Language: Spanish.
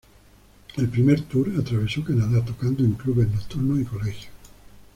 El primer tour atravesó Canadá tocando en clubes nocturnos y colegios.